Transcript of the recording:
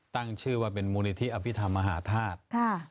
ตั้งชื่อว่าเป็นมูลนิธิอภิษฐรรมมหาธาตุ